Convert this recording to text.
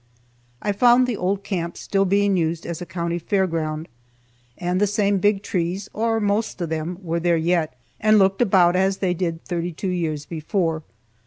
I found the old camp still being used as a county fair ground, and the same big trees, or the most of them, were there yet, and looked about as they did thirty two years before.